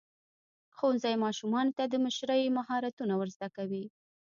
ښوونځی ماشومانو ته د مشرۍ مهارتونه ورزده کوي.